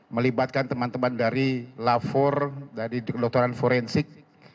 melibatkan teman teman dari lafor dari kedokteran forensik